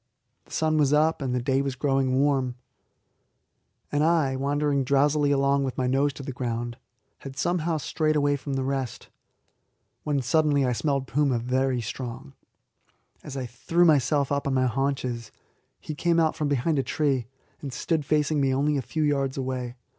The sun was up, and the day growing warm, and I, wandering drowsily along with my nose to the ground, had somehow strayed away from the rest, when suddenly I smelled puma very strong. As I threw myself up on my haunches, he came out from behind a tree, and stood facing me only a few yards away.